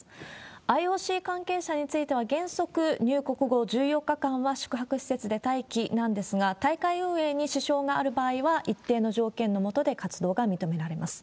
ＩＯＣ関係者については、原則、入国後１４日間は宿泊施設で待機なんですが、大会運営に支障がある場合には、認められます。